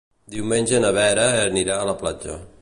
Diumenge na Vera anirà a la platja.